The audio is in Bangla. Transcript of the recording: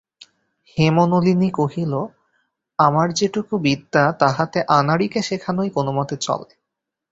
হেমনলিনী কহিল, আমার যেটুকু বিদ্যা, তাহাতে আনাড়িকে শেখানোই কোনোমতে চলে।